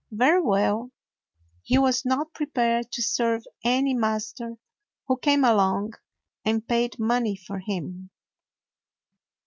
Very well, he was not prepared to serve any master who came along and paid money for him.